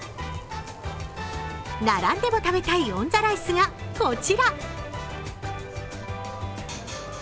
並んでも食べたいオンザライスがこちら。